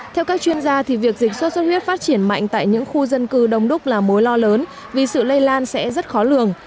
theo các chuyên gia việc dịch sốt xuất huyết phát triển mạnh tại những khu dân cư đông đúc là mối lo lớn vì sự lây lan sẽ rất khó lường